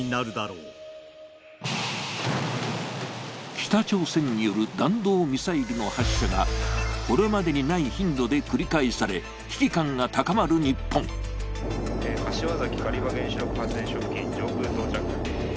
北朝鮮による弾道ミサイルの発射がこれまでにない頻度で繰り返され、危機感を高まる日本柏崎刈羽原子力発電所付近、上空到着。